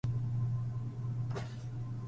放在某處